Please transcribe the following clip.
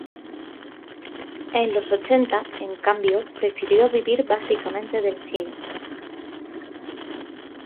En los ochenta, en cambio, prefirió vivir básicamente del cine.